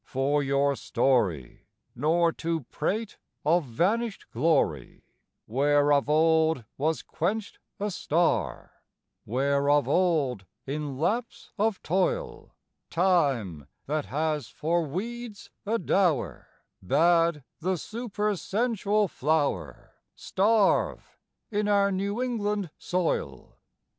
for your story, Nor to prate of vanished glory Where of old was quenched a star; Where, of old, in lapse of toil, Time, that has for weeds a dower, Bade the supersensual flower Starve in our New England soil.